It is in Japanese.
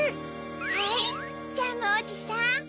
はいジャムおじさん。